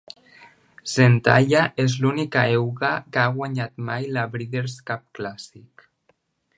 Zenyatta és l'única euga que ha guanyat mai la Breeders' Cup Classic.